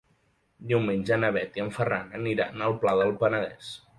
Diumenge na Bet i en Ferran aniran al Pla del Penedès.